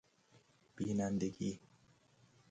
بینندگی